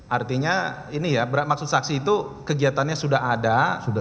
artinya ini ya maksud saksi itu kegiatannya sudah ada